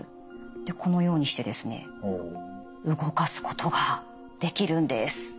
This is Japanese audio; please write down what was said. でこのようにしてですね動かすことができるんです。